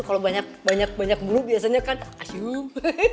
kalau banyak banyak mulu biasanya kan asyuk